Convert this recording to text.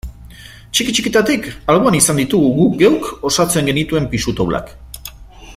Txiki-txikitatik alboan izan ditugu guk geuk osatzen genituen pisu taulak.